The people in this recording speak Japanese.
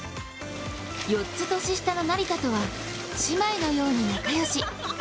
４つ年下の成田とは姉妹のように仲良し。